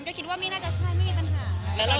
ก็คิดว่ามีนักแสดงไม่มีปัญหา